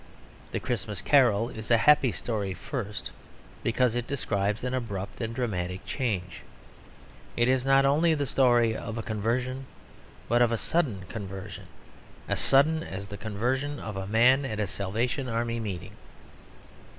The Christmas Carol is a happy story first, because it describes an abrupt and dramatic change. It is not only the story of a conversion, but of a sudden conversion; as sudden as the conversion of a man at a Salvation Army meeting.